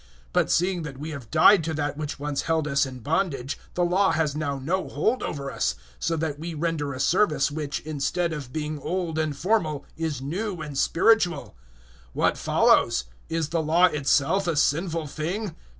007:006 But seeing that we have died to that which once held us in bondage, the Law has now no hold over us, so that we render a service which, instead of being old and formal, is new and spiritual. 007:007 What follows? Is the Law itself a sinful thing?